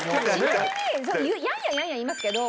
ちなみにやんややんや言いますけど。